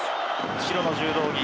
白の柔道着